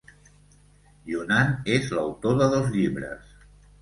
Younan és l'autor de dos llibres.